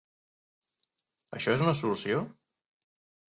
Això és una solució?